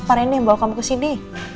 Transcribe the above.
pak randy yang bawa kamu ke sini